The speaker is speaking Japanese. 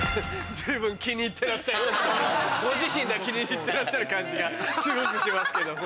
ご自身が気に入ってらっしゃる感じがすごくしますけどもね。